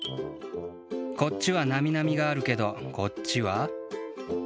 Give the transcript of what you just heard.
こっちはなみなみがあるけどこっちは。